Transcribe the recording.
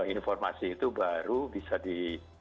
informasi itu baru bisa di